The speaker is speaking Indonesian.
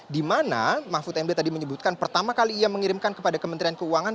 di mana mahfud md tadi menyebutkan pertama kali ia mengirimkan kepada kementerian keuangan